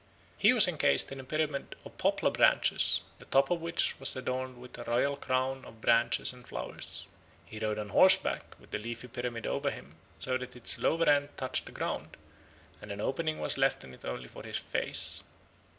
He was encased in a pyramid of poplar branches, the top of which was adorned with a royal crown of branches and flowers. He rode on horseback with the leafy pyramid over him, so that its lower end touched the ground, and an opening was left in it only for his face.